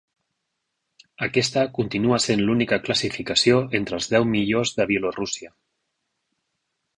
Aquesta continua sent l'única classificació entre els deu millors de Bielorússia.